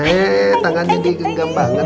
eh tangan didi genggam banget